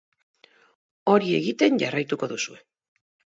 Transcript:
Hori egiten jarraituko duzue.